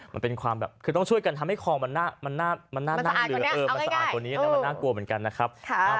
มันเป็นความแบบคือต้องช่วยกันทำให้คอมมันน่าน่ากลัวเหมือนกันนะครับ